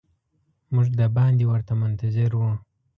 موږ د باندې ورته منتظر وو.